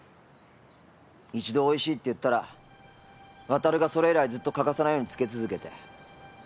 一度おいしいって言ったら渉がそれ以来ずっと欠かさないように漬け続けて。